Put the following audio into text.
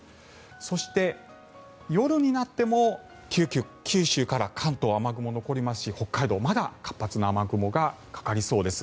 そして、夜になっても九州から関東は雨雲が残りますし北海道はまだ活発な雨雲がかかりそうです。